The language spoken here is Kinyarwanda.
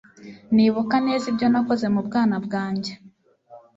Nibuka neza ibyo nakoze mubwana bwanjye.